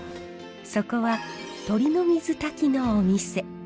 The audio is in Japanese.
そこは鶏の水炊きのお店。